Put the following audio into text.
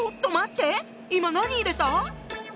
今何入れた？